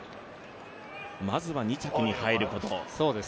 まずは２着に入ること。